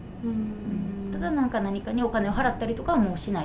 ただなんかにお金を払ったりとかはもうしない。